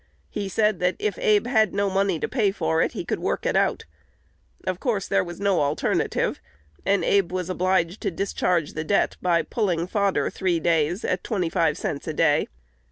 He said, that, if Abe had no money to pay for it, he could work it out. Of course, there was no alternative; and Abe was obliged to discharge the debt by "pulling fodder" three days, at twenty five cents a day.